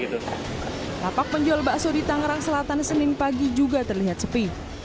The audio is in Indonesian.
tapak penjual bakso di tangerang selatan senin pagi juga terlihat sepi